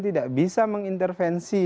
tidak bisa mengintervensi